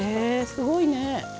すごいね。